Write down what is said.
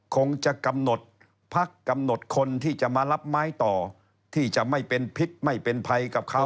คงจะกำหนดพักกำหนดคนที่จะมารับไม้ต่อที่จะไม่เป็นพิษไม่เป็นภัยกับเขา